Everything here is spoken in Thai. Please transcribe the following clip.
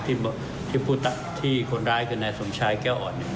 พวกที่ผู้ที่คนร้ายคือนายสงสัญแก้อ่อน